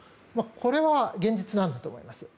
これが現実なんだと思います。